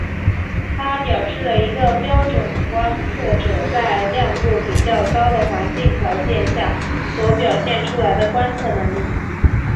它表示了一个标准观测者在亮度比较高的环境条件下所表现出来的观测能力。